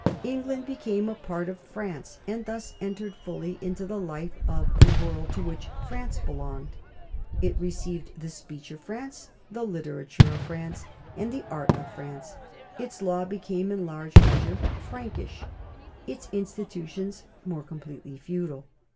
England became a part of France and thus entered fully into the life of the world to which France belonged. It received the speech of France, the literature of France, and the art of France; its law became in large measure Prankish, its institutions more completely feudal.